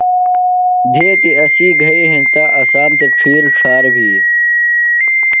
دھیتیۡ اسی گھئیۡ ہینتہ، اسام تھےۡ ڇِھیر ڇھار بھی